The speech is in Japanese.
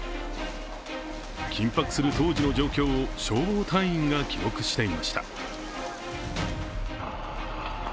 緊迫する当時の状況を消防隊員が記録していました。